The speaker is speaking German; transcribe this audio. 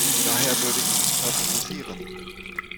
Daher würde ich ihn favorisieren.